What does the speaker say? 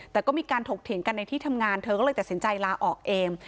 แต่ก็มีการถกเถียงกันในที่ทำงานเธอก็เลยตัดสินใจลาออกเอง